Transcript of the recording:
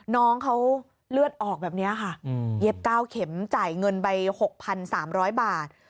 น้องเขาเลือดออกแบบนี้ค่ะเย็บ๙เข็มจ่ายเงินไป๖๓๐๐บาท